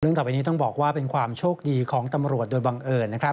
ต่อไปนี้ต้องบอกว่าเป็นความโชคดีของตำรวจโดยบังเอิญนะครับ